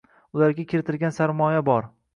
Ularga kiritilgan sarmoya bor.